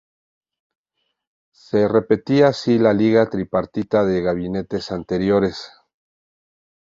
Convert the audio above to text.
Se repetía así la liga tripartita de gabinetes anteriores.